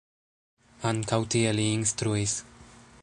Ankaŭ tie li instruis.